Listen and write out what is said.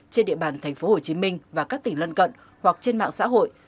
trên địa bàn tp hcm và các tỉnh lân cận hoặc trên mạng xã hội